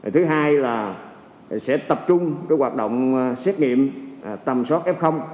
thứ hai là sẽ tập trung hoạt động xét nghiệm tầm soát f